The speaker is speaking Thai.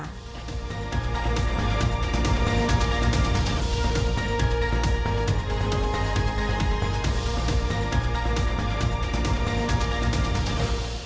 สวัสดีค่ะ